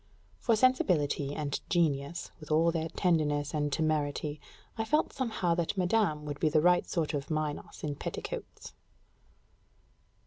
For sensibility and genius, with all their tenderness and temerity, I felt somehow that madame would be the right sort of Minos in petticoats.